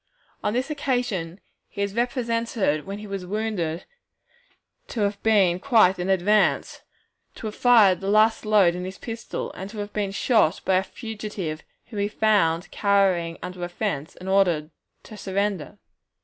On this occasion he is represented when he was wounded to have been quite in advance, to have fired the last load in his pistol, and to have been shot by a fugitive whom he found cowering under a fence, and ordered to surrender.